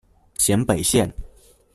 咸北线